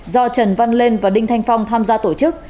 do trần văn lên và đinh thanh phong tham gia tổ chức